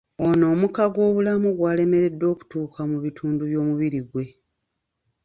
Ono omukka gw’obulamu gwalemereddwa okutuuka mu bitundu by’omubiri gwe.